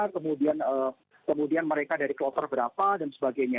kemudian mereka dari kloter berapa dan sebagainya